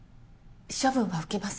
処分は受けます。